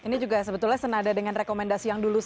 ini juga sebetulnya senada dengan rekomendasi yang dulu